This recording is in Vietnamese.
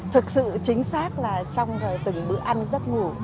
thực sự chính xác là trong từng bữa ăn giấc ngủ